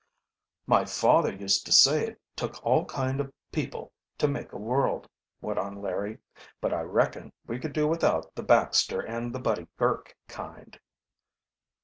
"My father used to say it took all kind of people to make a world," went on Larry. "But I reckon we could do without the Baxter and the Buddy Girk kind."